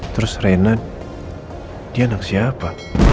terus renat dia anak siapa